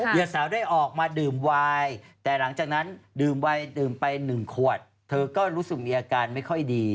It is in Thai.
เหยื่อสาวได้ออกมาดื่มไวน์แต่หลังจากนั้นดื่มไวน์ดื่มไป๑ขวดเธอก็รู้สึกอียาการไม่ค่อยดี